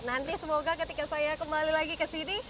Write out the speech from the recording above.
nanti semoga ketika saya kembali lagi ke sini